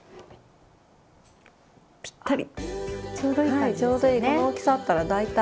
ぴったり。